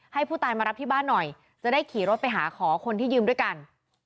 ให้ผู้ตายมารับที่บ้านหน่อยจะได้ขี่รถไปหาขอคนที่ยืมด้วยกัน